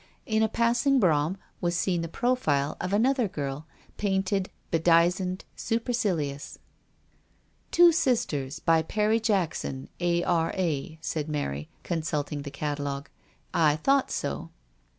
In a passing brougham was seen the profile of another girl, painted, bedizened, supercilious. 178 ' THE STORY OF A MODEMS WOMAN. " Two SisterSj by Perry Jackson, A. R. A.," said Mary, consulting the catalogue. "I thought so."